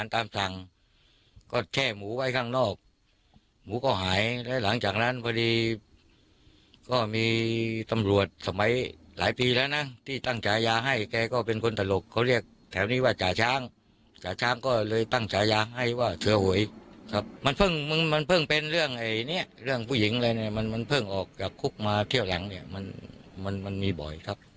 เรื่องเป็นเรื่องไอ้เนี้ยเรื่องผู้หญิงอะไรเนี้ยมันมันเพิ่งออกจากคุกมาเที่ยวหลังเนี้ยมันมันมันมีบ่อยครับ